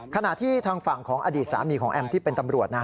ขณะที่ทางฝั่งของอดีตสามีของแอมที่เป็นตำรวจ